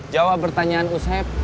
jawab pertanyaan usep